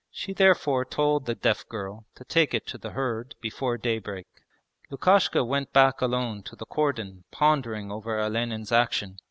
She therefore told the deaf girl to take it to the herd before daybreak. Lukashka went back alone to the cordon pondering over Olenin's action.